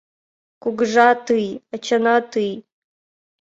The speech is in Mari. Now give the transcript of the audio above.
«Кугыжа, тый! ачана, тый!